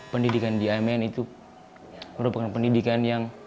pendidikan di amn itu merupakan pendidikan yang